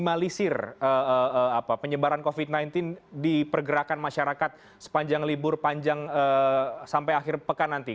memisir penyebaran covid sembilan belas di pergerakan masyarakat sepanjang libur panjang sampai akhir pekan nanti